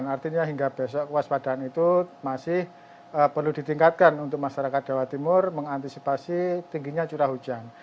artinya hingga besok kewaspadaan itu masih perlu ditingkatkan untuk masyarakat jawa timur mengantisipasi tingginya curah hujan